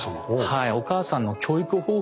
はい。